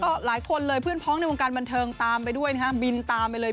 ก็หลายคนเลยเพื่อนพ้องในวงการบันเทิงตามไปด้วยนะฮะบินตามไปเลย